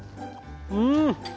うん！